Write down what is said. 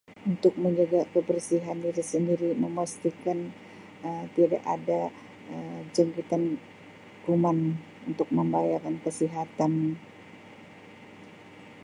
Untuk menjaga kebersihan diri sendiri memastikan Um tidak ada Um jangkitan kuman untuk membayakan kesihatan.